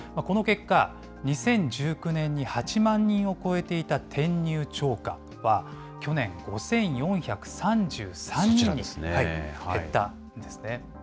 この結果、２０１９年に８万人を超えていた転入超過は、去年、５４３３人に減ったんですね。